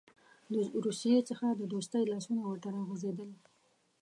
له روسیې څخه د دوستۍ لاسونه ورته راغځېدل.